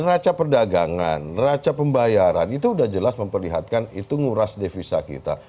neraca perdagangan neraca pembayaran itu sudah jelas memperlihatkan itu nguras devisa kita